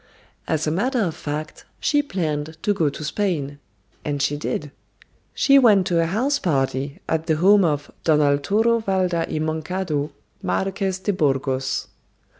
As a matter of fact, she planned to go to Spain. And she did. She went to a house party at the home of Don Arturo Valda y Moncado, Marques de Burgos.